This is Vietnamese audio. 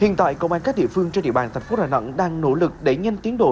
hiện tại công an các địa phương trên địa bàn thành phố đà nẵng đang nỗ lực đẩy nhanh tiến độ